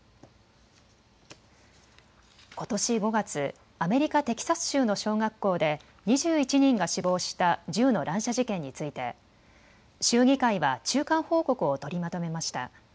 ことし５月、アメリカ・テキサス州の小学校で２１人が死亡した銃の乱射事件について州議会は中間報告を取りまとめました。